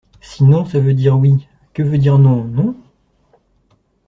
Si non ça veut dire oui, que veut dire non non?